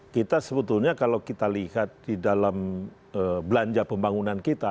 kita sebetulnya kalau kita lihat di dalam belanja pembangunan kita